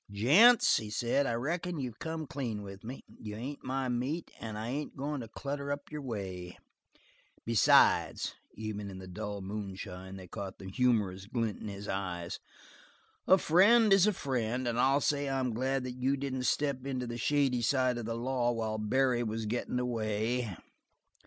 "Gents," he said, "I reckon you've come clean with me. You ain't my meat and I ain't goin' to clutter up your way. Besides" even in the dull moonshine they caught the humorous glint of his eyes "a friend is a friend, and I'll say I'm glad that you didn't step into the shady side of the law while Barry was gettin' away."